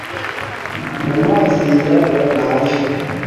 Mu mazi yirabura ntayo